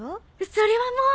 それはもう！